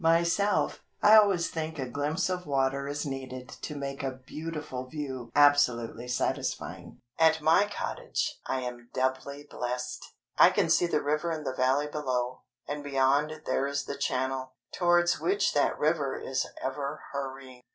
Myself, I always think a glimpse of water is needed to make a beautiful view absolutely satisfying. At my cottage I am doubly blessed! I can see the river in the Valley below, and beyond there is the Channel, towards which that river is ever hurrying.